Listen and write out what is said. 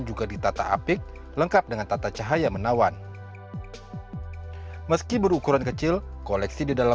juga ditata apik lengkap dengan tata cahaya menawan meski berukuran kecil koleksi di dalam